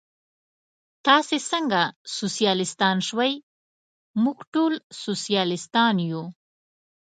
تاسې څنګه سوسیالیستان شوئ؟ موږ ټول سوسیالیستان یو.